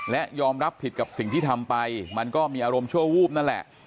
และยอมรับผิดกับสิ่งที่ทำไปมันก็มีอารมณ์ชั่ววูบนั่นแหละ